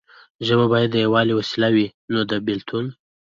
ژبه باید د یووالي وسیله وي نه د بیلتون.